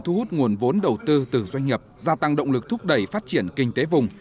thu hút nguồn vốn đầu tư từ doanh nghiệp gia tăng động lực thúc đẩy phát triển kinh tế vùng